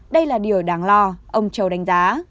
đây là điều đáng lo ông châu đánh giá